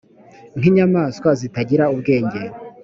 nk inyamaswa zitagira ubwenge